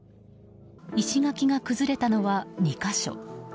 石垣が崩れたのは２か所。